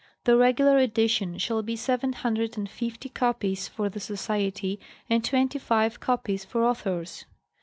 The regular edition shall be seven hundred and fifty copies for the Society, and twenty five copies for authors.